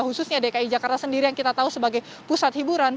khususnya dki jakarta sendiri yang kita tahu sebagai pusat hiburan